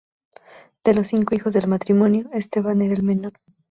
De los cinco hijos del matrimonio Esteban era el menor.